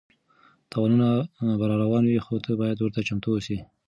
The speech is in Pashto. تاوانونه به راروان وي خو ته باید ورته چمتو اوسې.